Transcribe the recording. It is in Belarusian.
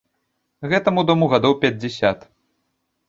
Гэтаму дому гадоў пяцьдзясят.